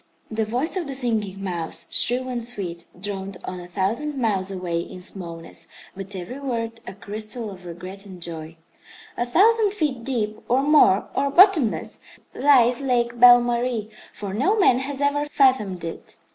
The voice of the Singing Mouse, shrill and sweet, droned on a thousand miles away in smallness, but every word a crystal of regret and joy. "A thousand feet deep, or more, or bottomless, lies Lake Belle Marie, for no man has ever fathomed it.